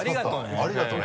ありがとね。